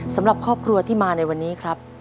สำหรับครอบครัวที่มาในวันนี้ครับ